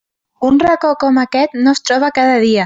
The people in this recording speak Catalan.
Un racó com aquest no es troba cada dia.